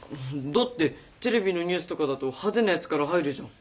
だってテレビのニュースとかだと派手なやつから入るじゃん。